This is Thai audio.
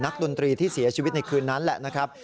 ดนตรีที่เสียชีวิตในคืนนั้นแหละนะครับ